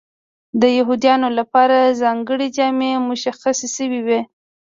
د یهودیانو لپاره ځانګړې جامې مشخصې شوې وې.